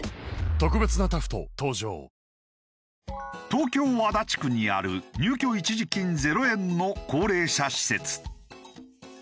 東京足立区にある入居一時金０円の高齢者施設。